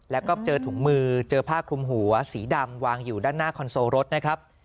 แล้วก็เจอถุงมือเจอผ้าคลุมหัวสีดำวางอยู่ด้านหน้าคอนโซลรถนะครับ